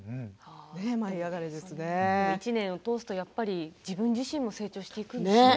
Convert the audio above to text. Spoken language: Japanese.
１年を通すと自分自身も成長していくんですね。